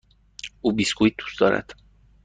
او بیسکوییت دوست دارد.